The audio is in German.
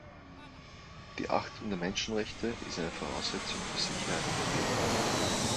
Die Achtung der Menschenrechte ist eine Voraussetzung für Sicherheit und Frieden.